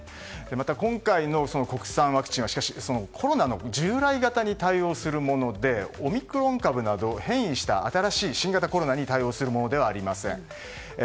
また今回の国産ワクチンはコロナの従来型に対応するものでオミクロン株など変異した新しい新型コロナに対応するものではありません。